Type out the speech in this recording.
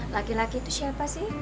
laki laki itu siapa sih